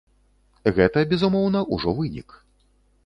Гэта, безумоўна, ужо вынік.